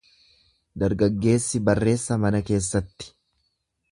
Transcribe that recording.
Dargaggeessi barreessa mana keessatti.